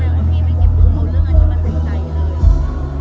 เรื่องที่ไม่เก็บหูหูเรื่องที่เรามาคิดใจเลย